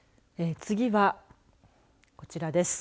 次は、こちらです。